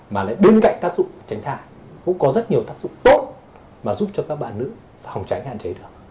mà lại bên cạnh tác dụng tránh thảo cũng có rất nhiều tác dụng tốt mà giúp cho các bạn nữ phòng tránh hạn chế được